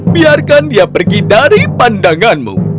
biarkan dia pergi dari pandanganmu